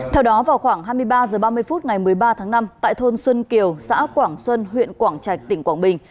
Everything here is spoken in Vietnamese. theo đó vào khoảng hai mươi ba h ba mươi phút ngày một mươi ba tháng năm tại thôn xuân kiều xã quảng xuân huyện quảng trạch tỉnh quảng bình